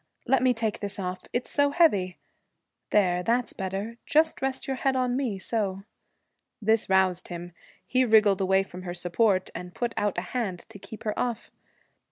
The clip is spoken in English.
Let me take this off it's so heavy. There, that's better. Just rest your head on me, so.' This roused him. He wriggled away from her support, and put out a hand to keep her off.